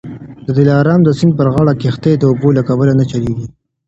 د دلارام د سیند پر غاړه کښتۍ د اوبو له کبله نه چلیږي